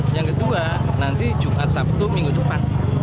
yang kedua nanti jumat sabtu minggu depan